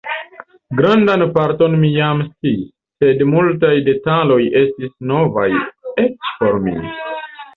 Grandan parton mi jam sciis, sed multaj detaloj estis novaj eĉ por mi.